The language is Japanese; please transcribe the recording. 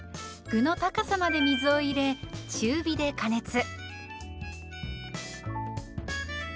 具の高さまで水を入れ中火で加熱。